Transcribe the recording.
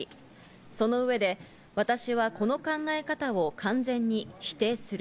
その上で私はこの考え方を完全に否定する。